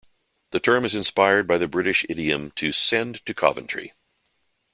The title is inspired by the British idiom, to "Send to Coventry".